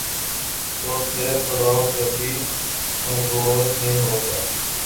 تو پھر پڑاؤ کبھی بھگوال میں ہو گا۔